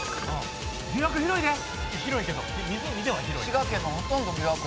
滋賀県のほとんど琵琶湖。